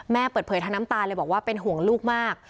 เปิดเผยทั้งน้ำตาเลยบอกว่าเป็นห่วงลูกมาก